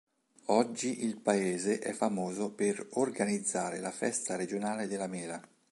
Oggi il paese è famoso per organizzare la Festa Regionale della Mela.